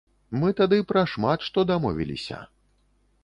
Мы тады пра шмат што дамовіліся.